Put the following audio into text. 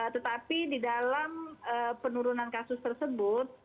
tetapi di dalam penurunan kasus tersebut